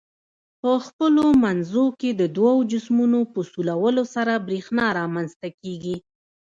په خپلو منځو کې د دوو جسمونو په سولولو سره برېښنا رامنځ ته کیږي.